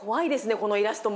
このイラストも。